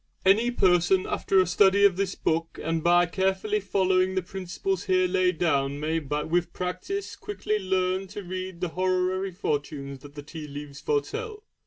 Any person after a study of this book and by carefully following the principles here laid down may with practice quickly learn to read the horary fortunes that the tea leaves foretell.